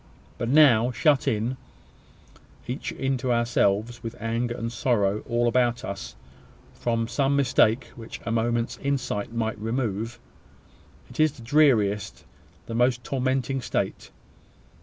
But now, shut in, each into ourselves, with anger and sorrow all about us, from some mistake which a moment's insight might remove it is the dreariest, the most tormenting state!